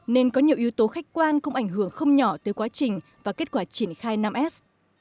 nên có nhiều yếu tố khách quan cũng ảnh hưởng không nhỏ tới quá trình và kết quả triển khai năm s